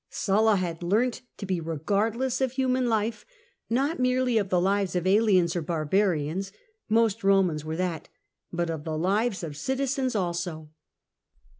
Sulla had learnt to be regard less of human life, not merely of the lives of aliens or barbarians (most Romans were that), but of the lives of citizens also.